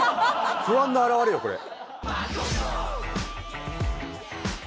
不安の表れよこれ。